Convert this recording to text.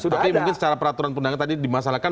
tapi mungkin secara peraturan pendangannya tadi dimasalkan